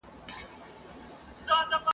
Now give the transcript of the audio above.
چي په خیال کي سوداګر د سمرقند وو !.